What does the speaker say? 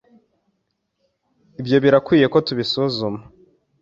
Ibyo birakwiye ko tubisuzuma.